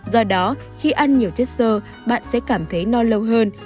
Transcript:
do đó khi ăn nhiều chất sơ bạn sẽ cảm thấy no lâu hơn